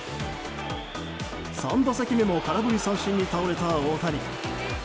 ３打席目も空振り三振に倒れた大谷。